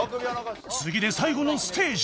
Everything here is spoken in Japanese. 次で最後のステージ